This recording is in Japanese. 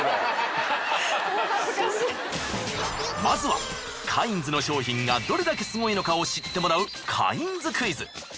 まずはカインズの商品がどれだけすごいのかを知ってもらうカインズクイズ。